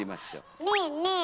ねえねえ